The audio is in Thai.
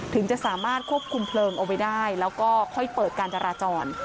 ถึงจะสามารถควบคุมเพลิงเอาไว้ได้แล้วก็ค่อยเปิดการจราจร